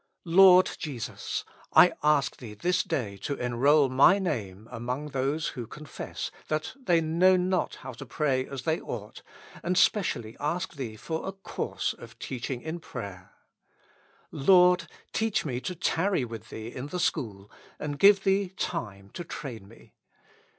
Lord Jesus ! I ask Thee this day to enrol my name among those who confess that they know not how to pray as they ought, and specially ask Thee for a course of teaching in prayer. Lord ! teach me to tarry with Thee in the school, and give Thee time to train me.